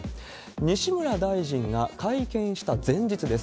西村大臣が会見した前日です。